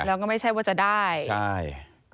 แล้วก็ไม่ใช่ว่าจะได้ใช่